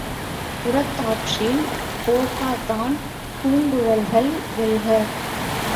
புறத்தாற்றில் போகாதான் பூங்கழல்கள் வெல்க!